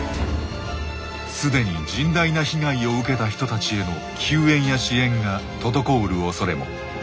既に甚大な被害を受けた人たちへの救援や支援が滞るおそれも。